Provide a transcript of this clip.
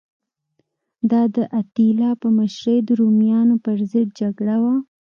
دا د اتیلا په مشرۍ د رومیانو پرضد جګړه وه